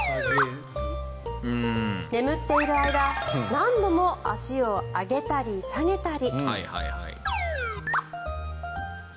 眠っている間何度も足を上げたり下げたり。